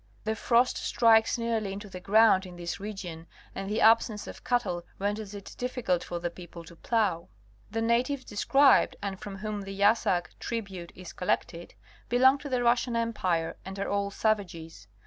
The frost strikes early into the ground in this region and the absence of cattle renders it difficult for the people to plow. The natives described and from whom the yassak [tribute] is collected, belong to the Russian Empire and are all savages.